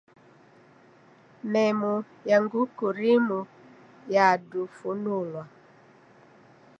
Memu ya nguku rimu yadufunulwa .